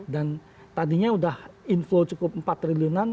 dan tadinya udah inflow cukup empat triliunan